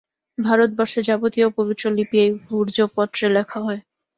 ভারতবর্ষে যাবতীয় পবিত্র লিপি এই ভূর্জপত্রে লেখা হয়।